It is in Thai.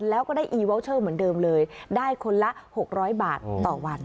แล้วก็ได้อีวอลเชอร์เหมือนเดิมเลยได้คนละ๖๐๐บาทต่อวัน